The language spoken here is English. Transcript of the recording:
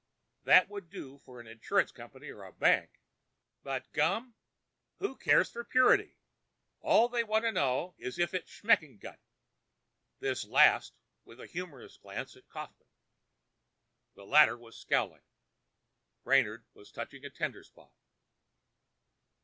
That would do for an insurance company or a bank—but gum! Who cares for purity! All they want to know is if it schmeckt gut." This last with a humorous glance at Kaufmann. The latter was scowling. Brainard was touching a tender spot.